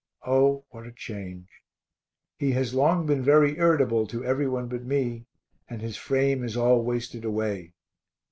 O what a change. He has long been very irritable to every one but me, and his frame is all wasted away.